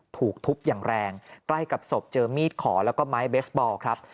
ถูกทุบอย่างแรงใกล้กับศพเจอมีดขอแล้วก็ไม้เบสบอลครับ